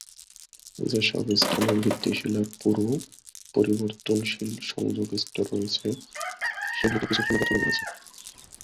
যেসব স্থানে ভিত্তিশিলার পুরু, পরিবর্তনশীল সংযোগ স্তর রয়েছে সেগুলিতে কিছু চুনাপাথরও রয়েছে।